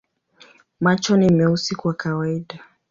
Macho ni meusi kwa kawaida.